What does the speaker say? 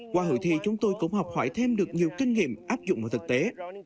qua hội thi chúng tôi cũng học hỏi thêm được nhiều kinh nghiệm áp dụng vào thực tế